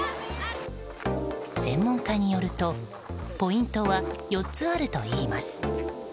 専門家によるとポイントは４つあるといいます。